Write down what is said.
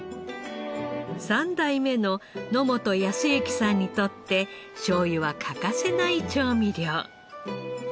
３代目の野本やすゆきさんにとってしょうゆは欠かせない調味料。